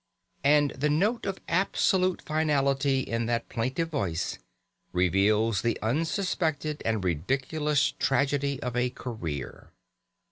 And the note of absolute finality in that plaintive voice reveals the unsuspected and ridiculous tragedy of a career.